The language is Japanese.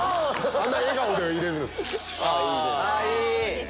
あんな笑顔でいれる⁉